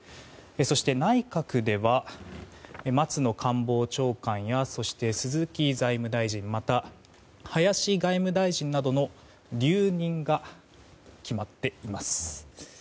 そして、内閣では松野官房長官やそして鈴木財務大臣また、林外務大臣などの留任が決まっています。